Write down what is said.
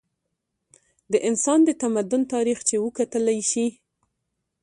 د انسان د تمدن تاریخ چې وکتلے شي